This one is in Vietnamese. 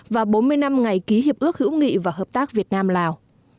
và bốn mươi năm ngày ký hiệp ước hữu nghị và hợp tác việt nam lào